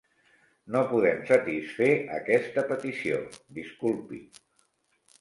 No podem satisfer aquesta petició, disculpi.